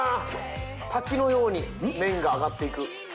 滝のように麺が上がっていく。